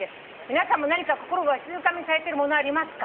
皆さんも何か心をわしづかみにされてるものありますか？」